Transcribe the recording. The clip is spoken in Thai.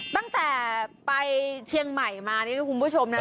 ตั้งแต่ไปเชียงใหม่มานี่นะคุณผู้ชมนะ